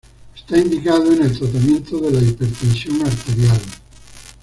Esta indicado en el tratamiento de la hipertensión arterial.